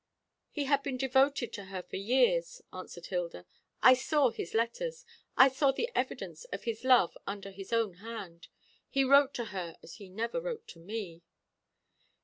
"He had been devoted to her for years," answered Hilda. "I saw his letters; I saw the evidence of his love under his own hand. He wrote to her as he never wrote to me."